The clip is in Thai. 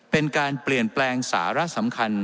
เป็นการเปลี่ยนแปลงสาระสำคัญ